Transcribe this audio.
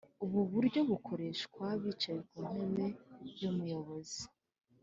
Ubu buryo bukoreshwa bicaye ku ntebe y'umuyobozi.